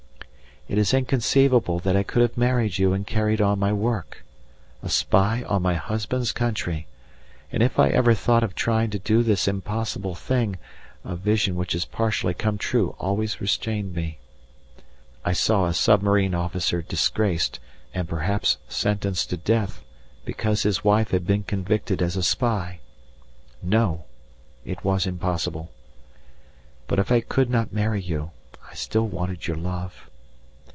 It is inconceivable that I could have married you and carried on my work a spy on my husband's country and if I ever thought of trying to do this impossible thing, a vision which has partially come true always restrained me. I saw a submarine officer disgraced and perhaps sentenced to death, because his wife had been convicted as a spy! No! it was impossible. But if I could not marry you, I still wanted your love.